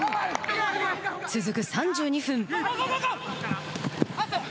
続く３２分。